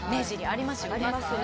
ありますね。